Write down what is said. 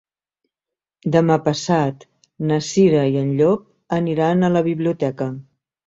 Demà passat na Cira i en Llop aniran a la biblioteca.